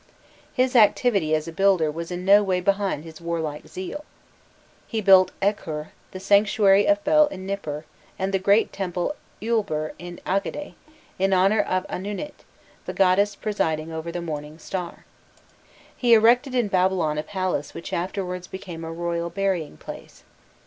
His activity as a builder was in no way behind his warlike zeal. He built Ekur, the sanctuary of Bel in Nipur, and the great temple Eulbar in Agade, in honour of Anunit, the goddess presiding over the morning star. He erected in Babylon a palace which afterwards became a royal burying place.